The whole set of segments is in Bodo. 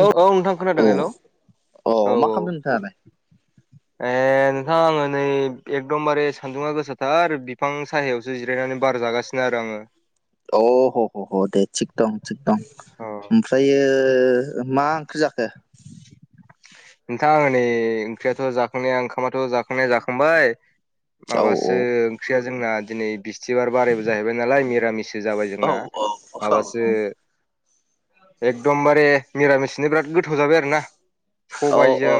औ औ नोंथां खोनादों हेल' औ अ औ मा औ खालामदों नोंथाङालाय? ए नोंथां आङो नै एकदमबारे सान्दुङा गोसाथार बिफां साहायावसो जिरायनानै बार जागासिनो नो आरो आङो अह ह' ह' ह' दे थिग दं थिग दं अ होम ओमफ्रायो मा ओंख्रि जाखो [inaudible] नोंथां आङो नै ओंख्रियाथ' जाखांनाया ओंखामाथ' जाखांनाया जाखांबाय औ माबासो ओंख्रिया जोंना दिनै बिस्थिबार बारायबो जाहैबाय नालाय मिरामिस जाबाय औ जोंना माबासो औ एकदमबारे मिरामिसजोंनो बिराद गोथाव जाबाय आरो ना औ अ सबायजों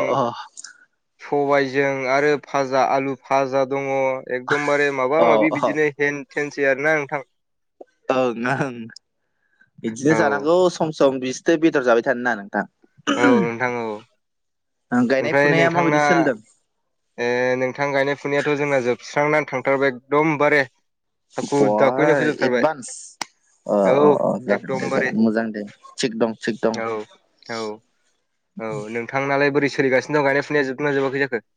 सबाइजों आरो फाजा आलु फाजा दङ एकदमबारे माबा अ माबि बिदिनो हेन थेनसै आरोना नोंथां ओ नाहों बिदिनो औ जानांगौ सम सम बिसिथो बेदर जाबाय थानो ना औ औ नोंथां। गायनाय फुनाया माबायदि सोलिदों। ए नोंथां गायनाय फुनायाथ' जोंना जोबस्रांनान थांथारबाय एकदमबारे हाखु बाह दाखुयैनो फोजोबथारबाय एडभान्स अ अ औ अ जागोन दे एकदमबारे जागोन मोजां दे थिग दं थिग दं। औ औ औ नोंथांनालाय बोरै सोलिगासिनो दं गायनाय फुनाया जोबदों ना जोबाखै जाखो?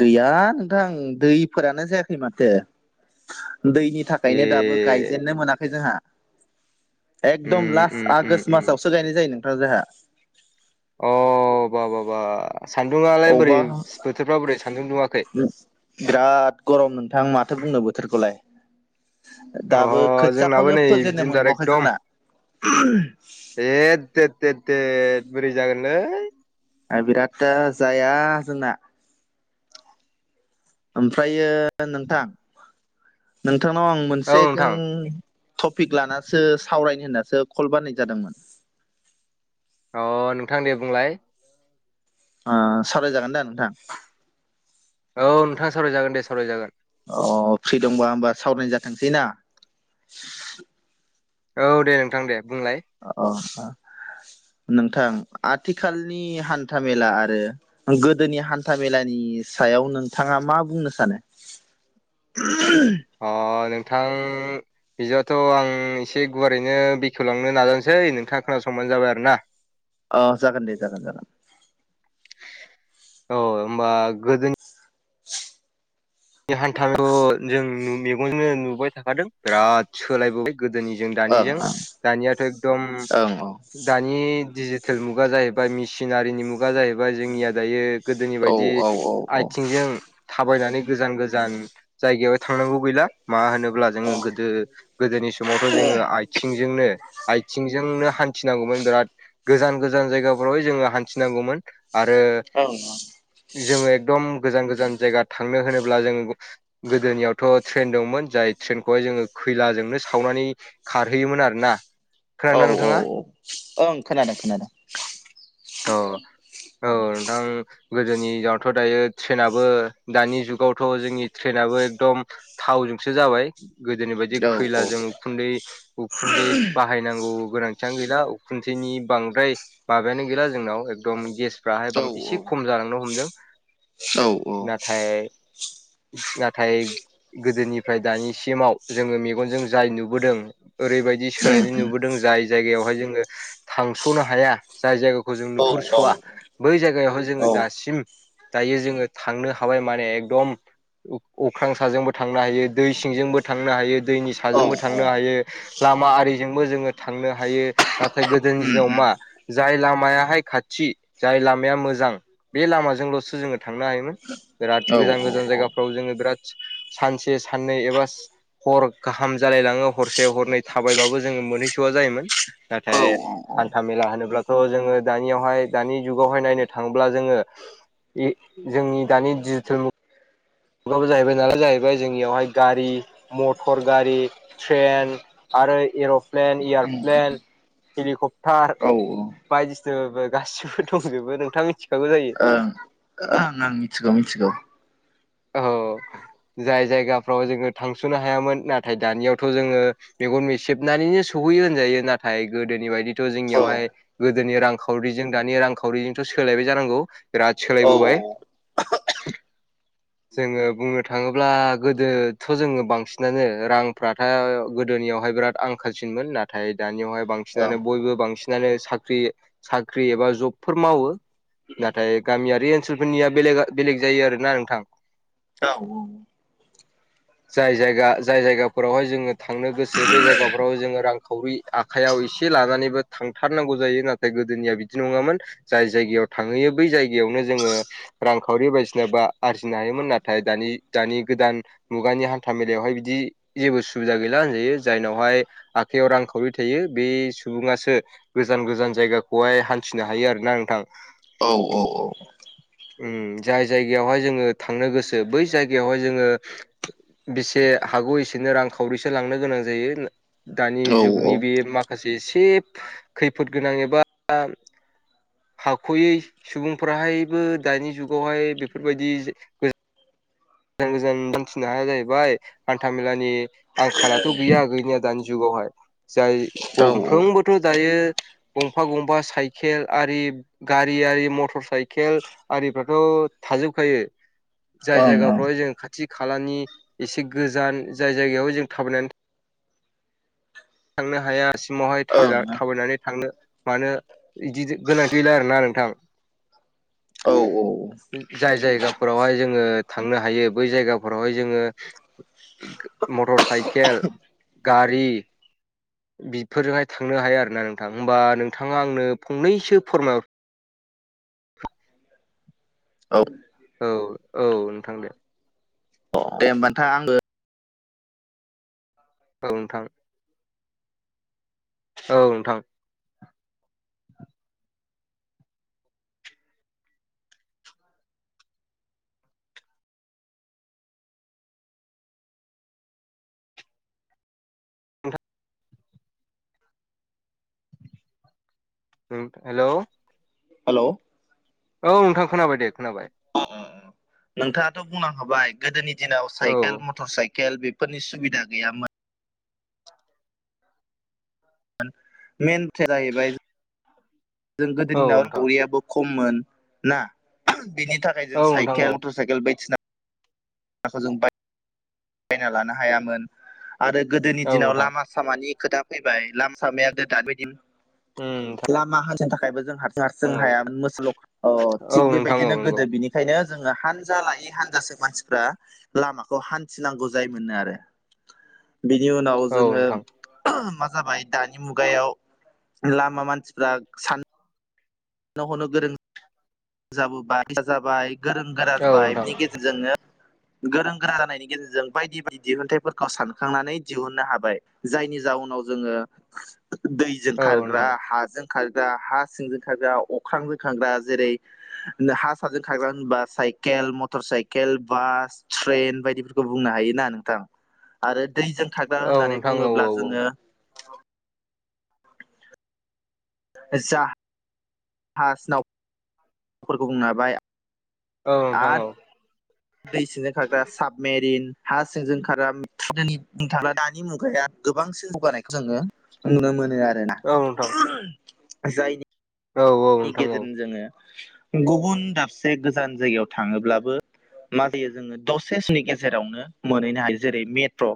गैया नोंथां दैफोरानो जायाखै माथो दैहि ए थाखायनो दाबो गायजेननो मोनाखै जोंहा एकदम उम उम लास्ट उम आगोष्ट उम मासावसो गायनाय जायो नोंथां जोंहा। अह बा बा बा सान्दुङालाय बोरै अबा बोथोरफ्रा बोरै सान्दुं दुङाखै? बिराद गरम नोंथां माथो बुंनो बोथोरखौलाय। अ दाबो जोंनाबो खोथियाखौनो नै फोेजेननो बिदिनोथार मोनबावाखै एकदम जोंना। एद देथ देथ देथ बोरै जागोनलै आ बिराद दा जाया जोंना ओमफ्रायो नोंथां नोंथांनाव आं औ मोनसे [unintelligible] नोंथां टपिक लानासो सावरायनो होननासो कल बाननाय जादोंमोन। अ नोंथां दे बुंलाय ओ सावरायजागोन दा नोंथां औ नोंथाङा सावरायजागोन दे सावरायजागोन। अ फ्रि दंबा होमबा सावरायनो जाथोंसै ना। औ दे नोंथां दे बुंलाय अ [inaudible] नोंथां आथिखालनि हान्था मेला आरो गोदोनि हान्था मेलानि सायाव नोंथाङा मा बुंनो सानो? [unintelligible] अ नोंथां बिजाथ' आं एसे गुवारैनो बेखेवलांनो नाजासै नोंथाङा खोनासंबानो जाबाय आरोना। [inaudible] अ जागोन दे जागोन जागोन। औ होमबा गोदोनि बे हान्थाखौ जों मेगनजोंनो नुबाय थाखादों बिराद सोलायबोबाय गोदोनिजों ओं दानिजों दानियाथ' एकदम ओं दानि दानि डिजिटेल मुगा जाहैबाय मेसिनारिनि मुगा जाहैबाय जोंनिया दायो गोदोनि ओं औ बायदि औ आथिंजों थाबायनानै गोजान गोजान जायगायाव थांनांगौ गैला मा होनोब्ला जोङो गोदो गोदोनि समावथ जोङो आइथिंजोंनो आइथिंजोंनो हान थिनांगौमोन बिराद गोजान गोजान जायगाफोरावहाय जोङो हान्थिनांगौमोन आरो जोङो एकदम गोजान गोजान जायगा थांनो होनोब्ला जों गोदोनियावथ ट्रेन दंमोन जाय ट्रेनखौहाय जोङो खैलाजोंनो सावनानै खारहैयोमोन आरोना। औ खोनादोंना औ नोंथाङा औ ओं खोनादों खोनादों औ औ नोंथां। गोदोनि दिावथ दायो ट्रेनाबो दानि जुगावथ जोंनि ट्रेनाबो एकदम थावजोंसो जाबाय गोदोनि बायदि औ खैलाजों उखुन्दै उखुन्दै बाहायनाय नांगौ गोनांथियानो गैला खुनसेनि बांद्राय माबायानो गैला जोंनाव एकदम गेस फ्राहाय औ बां एसे खम जालांनो हमदों औ नाथाय नाथाय गोदोनिफ्राय दानिसिमाव जोङो मेगनजों जाय नुबोदों ओरैबायदि सोलायनाय नुबोदों जाय जायगायावहाय जोङो थांसनो हाया जाय जायगा खौ जों औ नुहुरसवा बै जायगायावहाय औ जोङो औ दासिम दायो जोङो थांनो हाबाय माने एकदम उम अख्रां साजोंबो थांनो हायो दै सिंजोंबो थांनो हायो दैनि ओं साजोंबो थांनो हायो लामा आरिजोंबो जोङो थांनो हायो नाथाय गोदोनि दिनाव मा जाय लामा याहाय खाथि जाय लामाया मोजां बे लामाजोंलसो जोङो थांनो हायोमोन बिराद गोजान गोजान जायगाफ्राव जोङो बिराद सानसे साननै एबा हर गाहाम जालायलाङो हरसे हरनै थाबायबाबो जोङो मोनहैसआ जायोमोन नाथाय हान्था मेला होनोब्ला जोङो दानियावहाय दानि जुगावहाय नायनो थांब्ला जोङो जोंनि दानि डिजिटेल मु गाबो जाहैबाय नालाय जाहैबाय जोंनियावहाय गारि मटर गारि ट्रेन आरो एरप्लेन एयारप्लेन हेलिकप्टार बायदिसिना गासिबो दंजोबो नोंथाङा मिथि ओं ओं आं मिथिगौ मिथिगौ औ जाय जायगाफ्राव जोङो थांसनो हायामोन नाथाय दानियावथ जोङो मेगन मेसेबनानैनो सौहैयो होनजायो नाथाय गोदोनि बायदि औ जोंनियावहाय गोदोनि रांखावरिजों दानि रांखावरिजोंथ सोलायबाय जानांगौ बिराद औ सोलायबोबाय जोङो बुंनो थाङोब्ला गोदोथ जोङो बांसिनानो रांफ्राथ गोदोनियावहाय बिराद आंखालसिनमोन नाथाय दानियावहाय बांसिनानो बयबो बांसिन आनो साख्रि साख्रि एबा जबफोर मावो नाथाय गामियारि ओनसोलफोरनिया बेलेग बेलेग जायो आरोना नोंथां। औ जाय जायगा जाय जायगाफोरावहाय जोङो थांनो गोसो बे जायगाफोराव जोङो रांखावरि आ खायाव एसे लानानैबो थांथारनांगौ जायो नाथाय गोदोनिया बिदि नङामोन जाय जायगायाव थांहैयो बै जायगायावनो जोङो रांखावरि बायदिसिना बा आस फिनो हायोमोन नाथाय दानि दानि गोदान मुगानि हान्था मेलायावहाय बिदि जेबो सुबिदा गैला होनजायो जायनावहाय आखाइयाव रांखावरि थायो बे सुबुङासो गोजान गोजान जायगाखौहाय हान्थिनो हायो आरोना नोंथां औ औ औ उम जाय जायगायावहाय जोङो थांनो गोसो बै जायगायावहाय जोङो बेसे हागौ एसेनो रांखावरिसो लांनो गोनां जायो । दानि औ जुगनि बे माखासे से खैफोद गोनां एबा हाखयै सुबुंफोराहायबो दानि जुगावहाय बेफोरबायदि जे ओ गोजान गोजान हान्थिनो हाया जाहैबाय हान्थामेलानि आंखालाथ' गैया गैनि दानि जुगावहाय जाय औ गंफ्रोमबोथ' दायो गंफा गंफा साइकेल आरि गारि आरि मटर साइकेल आरिफ्राथ' थाजोबखायो औ जाय ओं जायगाफ्राव जों खाथि खालानि एसे गोजान जाय जायगायाव जों थाबायनानै थांनो हाया सिमावहाय [unintelligible] ओं थाबायनानै थांनो मानो बिदि गोनांथि'ला आरोना नोंथां औ औ जाय जायगाफोरावहाय जोङो थांनो हायो बै जायगाफोरावहाय जोङो मटर साइकेल गारि बिफोरजोंहाय थांनो हायो आरोना नोंथां होमबा नोंथाङा आंनो फंनैसो फोरमायहर औ औ औ नोंथां दे अ दे होमबा नोंथां आङो औ नोंथां औ नोंथां [unintelligible] हेल' हेल' औ नोंथां खोनाबाय दे खोनाबाय नोंथाङाथ' बुंनां होबाय गोदोनि दिनाव औ साइकेल मटर साइकेल फोरनि सुबिदा गैयामोन [unintelligible] जाहैबाय जों गोदोनि औ दिनाव नोंथां दावरियाबो खममोन ना बेनि थाखाय औ जों नोंथां औ साइखेलथ' साइेल बाय [unintelligible] बायना लानो हायामोन आरो गोदोनि औ दिनाव नोंथां लामा सामानि खोथा फैबाय लाम सामायाया दा बिदिनो ओम लामा हानथिनो थाखायबो जों हारसिं हारसिं हाया मोस ल अ थिग औ नोंथां बेबायदिनो औ गोदो नंगौ बिनि बेखायनो जोङो हानजा लायै हानजासो मानसिफ्रा लामाखौ हा थिनांगौ जाय मोनो आरो बिनि उनाव औ जोङो नोंथां [unintelligible] मा जाबाय दानि मुगायाव लामा मानसिफ्रा सान नो हनो गोरों जाबोबाय [unintelligible] गोरों गोरा औ जाबाय नोंथां बिनि गेजेरजोंनो गोरों गोरा जानायनि गेजेरजों बायदि बायदि दिहुनथाइफोरखौ सानखांनानै दिहुुननो हाबाय जायनि जाहनाव जोङो दै जों औ खारग्रा नोंथां हाजों खारग्रा हा सिंजों खारग्रा अख्रांजों खारग्रा जेरै हा साजों थाग्रा होनबा cycle motor cycle bus train बायदिफोरखौ बुंनो हायो ना नोंथां आरो दैजों थाग्रा औ होननानै नोंथां औ औ बुङोब्ला जोङो जा जाहाज नावफोरखौ बुंनो हाबाय औ नोंथां औ दै सिंजों खारग्रा साबमेरिन हा सिंजों खारग्राै नथाङला दानि मुगाया गोबांसिन जौगानायखौ जोंङो नुनो मोनो आरोना औ नोंथां [unintelligible] जायनि औ नोंथां औ गेजेरजों जोङो गुबुन दाबसे गोजान जायगायाव थाङोब्लाबो मा जायो जोंङो दसे समनि गेजेरावनो मोनहैनो हायो जेरै मेट्र'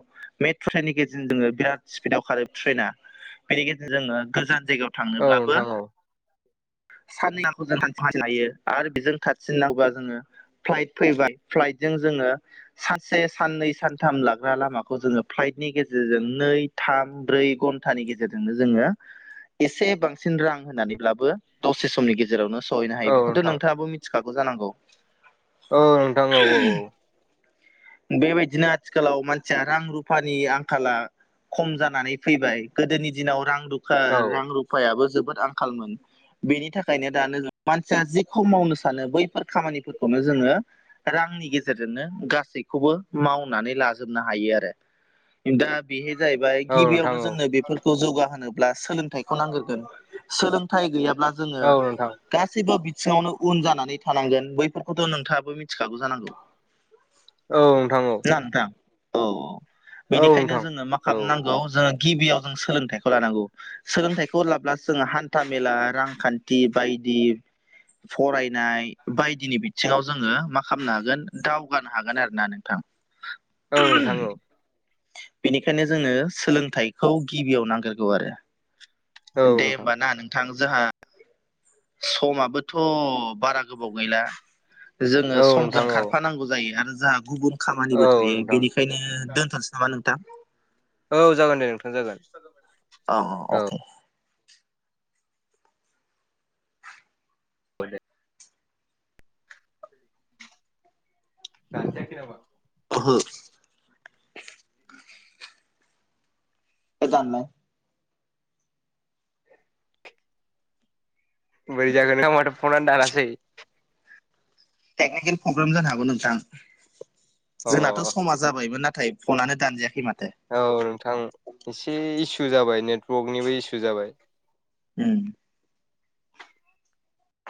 मेट्र' ट्रेननि गेजेरजों जोङो बिराद स्पिडाव खारो ट्रेना बेनि गेजेरजों जोङो गोजान जायगायाव औ थांनोब्लाबो नोंथां औ [unintelligible] आरो बेजों थारसिन नांगौबा जोङो फ्लाइट फैबाय फ्लाइटजों जोङो सानसे साननै सानथाम लाग्रा लामाखौ जोङो फ्लाइटनि गेजेरजों नै थाम ब्रै घन्टानि गेजेरजोंनो जोङो एसे बांसिन रां होननानैब्लाबो दसे समनि गेजेरावनो सहैनो हायो औ बेखौथ' नोंथां नोंथाङाबो मिथिखागौ जानांगौ औ नोंथां औ औ औ बेबायदिनो आथिखालाव मानसिया रां रुफानि आंखाला खम जानानै फैबाय गोदोनि दिनाव रां रुफा औ रां रुफायाबो जोबोद आंखालमोन बेनि थाखायनो दानो ज मानसिया जिेखौ मावनो सानो बैफोर खामानिफोरखौनो जोङो रांनि गेजेरजोंनो गासैखौबो मावनानै लाजोबनो हायो आरो दा बेहाय जाहैबाय औ नोंथां गिबियावनो औ जोंनो बेफोर जौगाहोनोब्ला सोलोंथाइखौ नांगिरगोन सोलोंथाइ गैयाब्ला जोङो औ नोंथां गासैबो बिथिङावनो उन जानानै थानांगोन बैफोरखौथ' नोंथाङाबो मिथिखागौ जानांगौ औ नोंथां औ नोंथां औ औ बेनिखायनो नोंथां जोङो मा औ खालामनांगौ जो गिबियाव जों सोलोंथाइखौ लानांगौ सोलोंथाइखौ लाब्ला जों हान्था मेला रां खान्थि बायदि फरायनाय बायदिनि बिथिङाव जोङो मा खालामनो हागोन दावगानो हागोन आरो ना नोंथां औ नोंथां औ बेनिखायनो जोंनो सोलोंथाइखौ गिबियाव नांगिरगौ आरो औ दे नोंथां होमबा औ ना नोंथां जोंहा समाबोथ' बारा गोबाव गैला जोङो समजों नोंथां औ खारफानांगौ जायो आरो जाहा गुबुन खामानिबो औ थायो नोंथां बेनिख ओंखायनो दोनथ'नोसै नामा नोंथां औ जागोन दे नोंथां जागोन अ औ अके [unintelligible] [unintelligible] ओहो [unintelligible] बोरै जागोन नोंथां माथो फनानो दानासै टेकनिकेल प्रब्लेम जानो हागौ नोंथां अ जोंनाथ' समा जाबायमोन नाथाय फनानो दानजायाखै माथो औ नोंथां एसे इसु जाबाय नेटवर्कनिबो इसु जाबाय उम